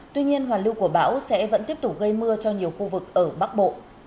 tuy nhiên hoàn lưu của bão sẽ vẫn tiếp tục gây mưa cho nhiều khu vực ở bắc bộ